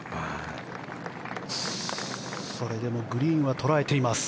それでもグリーンは捉えました。